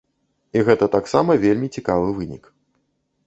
І гэта таксама вельмі цікавы вынік.